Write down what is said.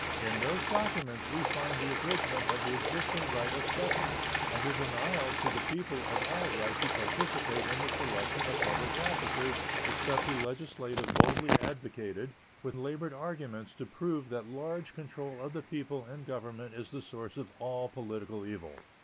In those documents we find the abridgment of the existing right of suffrage and the denial to the people of all right to participate in the selection of public officers except the legislative boldly advocated, with labored arguments to prove that large control of the people in government is the source of all political evil.